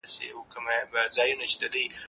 زه پرون مېوې وخوړه!.